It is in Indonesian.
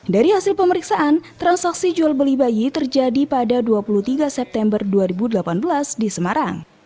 dari hasil pemeriksaan transaksi jual beli bayi terjadi pada dua puluh tiga september dua ribu delapan belas di semarang